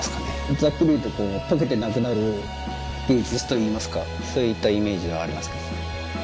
ざっくり言うと「溶けてなくなる芸術」といいますかそういったイメージはありますけどね。